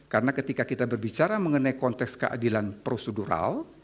karena ketika kita berbicara mengenai konteks keadilan prosedural